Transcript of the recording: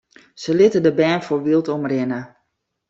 Sy litte de bern foar wyld omrinne.